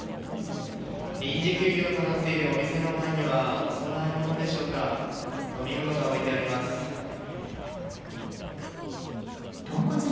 臨時休業となっているお店の前にはお供え物でしょうか飲み物が置いてあります。